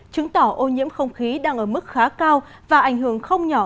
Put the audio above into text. chứng tỏ ô nhiễm không khí đang ở mức khá cao và ảnh hưởng không nhỏ